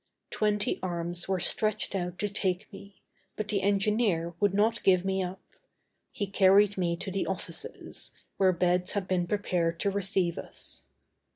Twenty arms were stretched out to take me, but the engineer would not give me up. He carried me to the offices, where beds had been prepared to receive us.